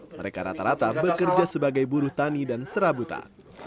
mereka rata rata bekerja sebagai buruh tani dan serabutan